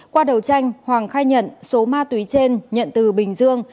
qua đầu tranh hoàng khai nhận số ma túy trên nhận từ bình dương